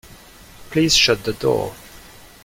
Please shut the door.